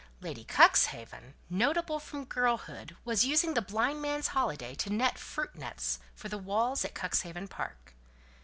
Lady Cuxhaven, notable from girlhood, was using the blind man's holiday to net fruit nets for the walls at Cuxhaven Park.